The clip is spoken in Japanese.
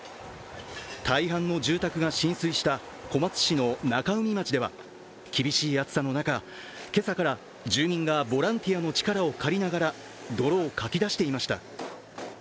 大半の住宅が浸水した小松市の中海町では厳しい暑さの中、今朝から住民がボランティアの力を借りながら泥をかき出していました。